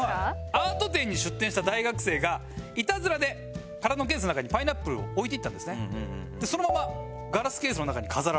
アート展に出展した大学生がいたずらで空のケースの中にパイナップルを置いていったんですね。